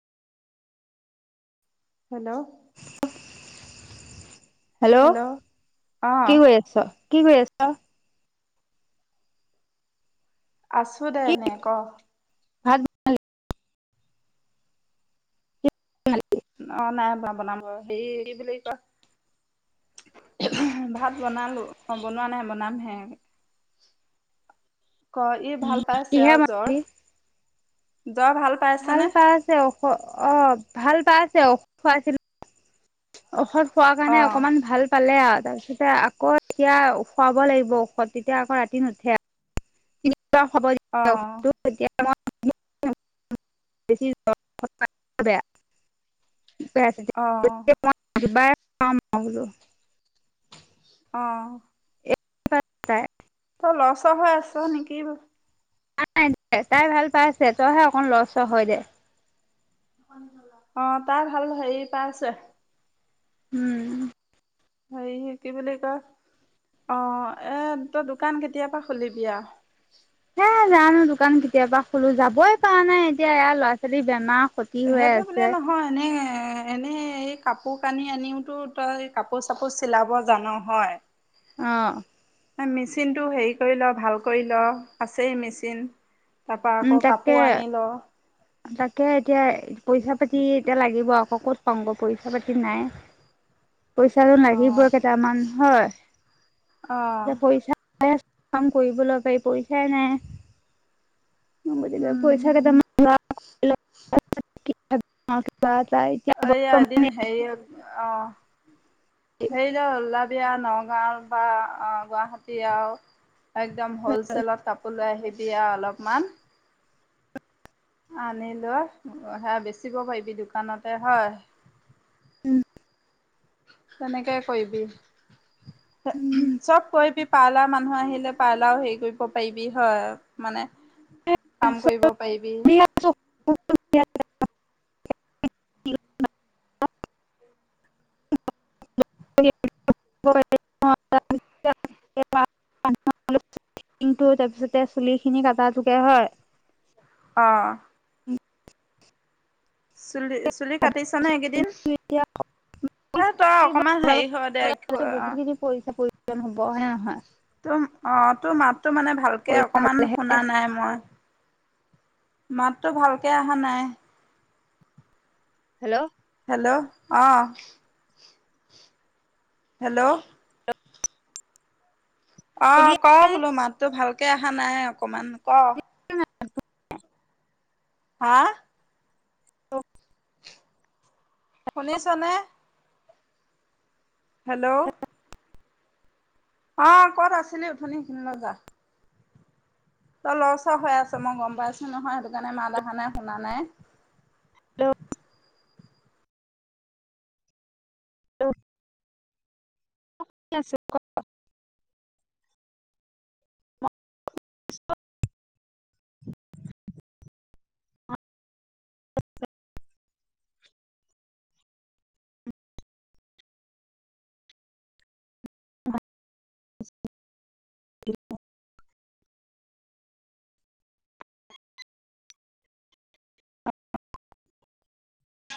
Hello [unintelligible] hello অ কি কৰি আছ কি কৰি আছ? অ আছো দে কি এনেই ক? ভাত খালি? উ [unintelligible] অ নাই বনা হে কি বুলি কয় ভাত বনালো অ বনোৱা নাই বনাম হে। ক ই ভাল পাইছে কিহে আৰু জ্বৰ। বনালি জ্বৰ ভাল পাইছেনে পাই আছে ঔষদ অ', ভাল পাইছে ঔষদ খুৱাইছিলোঁ। ঔষধ খোৱাৰ অ কাৰণে অকমান ভাল পালে আৰু। তাৰপিছতে আকৌ এতিয়া খুৱাব লাগিব ঔষধ তেতিয়া আকৌ ৰাতি নুঠে। অ হব এতিয়া [unintelligible] [unintelligible] [unintelligible] অ ম হ [unintelligible] অঁ প [unintelligible] লৰ-চৰ হৈ আছ নেকি? নাই-নাই দে তাই ভাল পাইছে তইহে অকণ লৰ হয় দে। অ তাৰ ভাল হেৰি পাইছে। উম হে কি বুলি কয় অ এ তই দোকান কেতিয়াপা খুলিবি আৰু? এ জানো দোকান কেতিয়াবা খলো যাবই পৰা নাই এতিয়া এয়া ল'ৰা-ছোৱালী বেমাৰ। ক্ষতি হৈ সেইটো আছে। বুলিয়ে নহয় এনে এ এনেই এই কাপোৰ কানি আনিওতো তই কাপোৰ-চাপোৰ চিলাব জনো হয়। অ মেচিনটো হেৰি কৰিল ভাল কৰি ল আছেই মেচিন। তাৰপৰা উম, আকৌ কাপোৰ আনি ল তাকে-তাকে এতিয়া পইচা পাতি এতিয়া লাগিব আকৌ ক'ত পাওঁ গৈ পইচা পাতি নাই। পইচ জন লাগিবই অঁ কেইটামান অঁ হয় পইচা কাম কৰিব লগাই পইচাই নাই বজ পইচা কেটা মংগা [unintelligible] ম [unintelligible] অ আদিন হেৰি অ হেৰি ল্লা ীয়া নগাঁও বা গুৱাহাটী আৰু একদম হ'লছেেলত কাপোৰ লৈ আহিব দিয়া অলপমান আনিলো সে বেচিব পাৰিবি দোকানতে হয় তেনেকে কবিি চবকৈ প পাৰ্লা মানুহ আহিলে পাৰ্লাও হেৰি কৰিব পাৰিবি হয় মানে কাম কৰিব পাৰিবি [unintelligible] তাৰপিছতে চুলিখিনি কটা যোকে হয় অ উ চুলি চুলি কাটিছ নে এইকেইদিন এই তই অকমান হেৰি হ দে ক অ বহুতখিনি পইচা প্ৰয়োজন হ'ব হয় নে নহয় ত অ তোৰ মাত টো মানে ভালকে পইচা অকমান হ'লেহে শুনা নাই মই মাততো ভালকে অহা নাই হেল্ল' হেল্ল' অ হেল্ল' অ শুনি ক বোলো মাততো ভাল তাকে অহা নাই অকণমান ক [unintelligible] [inaudible] হা অ শুনিছ নে হেল্ল' অ কত আছিলি উঠনি সেইখিনি লৈ যা তই লৰচৰ হৈ আছ মই গম পাইছো নহয় সেইটো কাৰণে মা দেখ নে শুনা নাই হেল্ল' অ আছে ক [unintelligible] স এক [unintelligible]